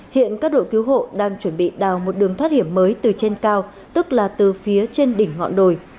hiện các đội cứu hộ đang chuẩn bị đào một đường thoát hiểm mới từ trên cao tức là từ phía trên đỉnh ngọn đồi